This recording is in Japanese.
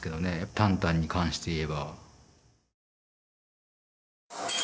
タンタンに関して言えば。